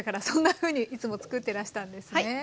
そんなふうにいつも作ってらしたんですね。